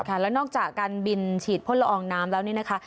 แล้วนอกจากการบินฉีดพ่นละอองน้ำแล้วนี่นะคะ